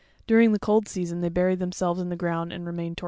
During the cold season they bury themselves in the ground and remain torpid.